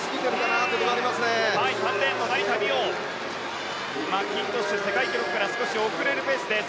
３レーンの成田実生マッキントッシュは世界記録から少し遅れるペースです。